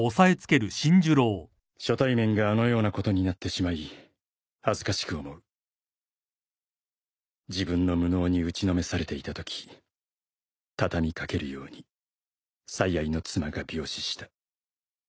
「初対面があのようなことになってしまい恥ずかしく思う」「自分の無能に打ちのめされていたとき畳み掛けるように最愛の妻が病死した」